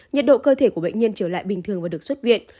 nhiệt độ cơ thể của bệnh nhân trở lại bình thường và được xuất viện